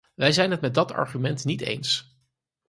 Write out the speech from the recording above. Wij zijn het met dat argument niet eens.